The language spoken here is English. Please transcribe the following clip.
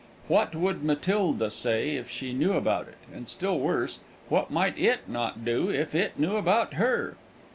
What would Matilda say if she knew about it; and still worse, what might it not do if it knew about her?